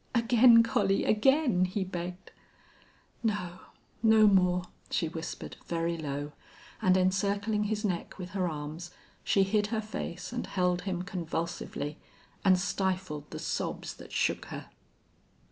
"Again, Collie again!" he begged. "No no more," she whispered, very low, and encircling his neck with her arms she hid her face and held him convulsively, and stifled the sobs that shook her.